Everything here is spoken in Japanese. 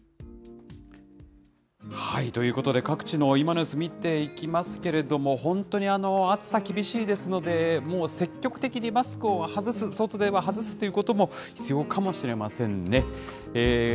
ということで、各地の今の様子、見ていきますけれども、本当に暑さ厳しいですので、もう積極的にマスクを外す、外では外すということも必要かもしれませんね。